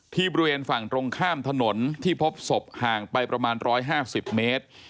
บริเวณฝั่งตรงข้ามถนนที่พบศพห่างไปประมาณ๑๕๐เมตร